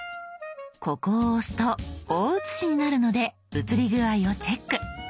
ここを押すと大写しになるので写り具合をチェック。